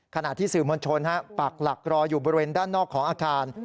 ขณะที่สื่อมวลชนปักหลักรออยู่บริเวณด้านนอกของอาคาร